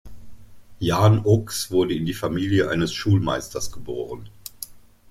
Jaan Oks wurde in die Familie eines Schulmeisters geboren.